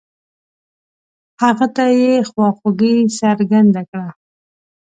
هغه ته يې خواخوږي څرګنده کړه.